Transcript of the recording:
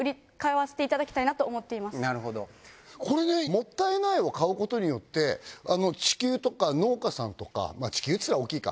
これねもったい苗を買うことによって地球とか農家さんとか地球って言ったら大きいか。